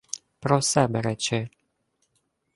— Про себе речи.